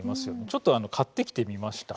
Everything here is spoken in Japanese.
ちょっと買ってきてみました。